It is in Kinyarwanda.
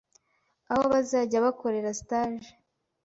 aho bazajya bakorera stage